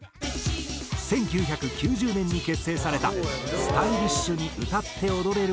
１９９０年に結成されたスタイリッシュに歌って踊れる